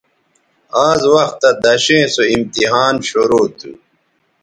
آز وختہ دݜیئں سو امتحان شرو تھو